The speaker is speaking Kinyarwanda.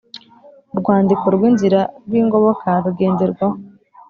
Urwandiko rw inzira rw ingoboka rugenderwaho